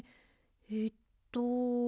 えっと。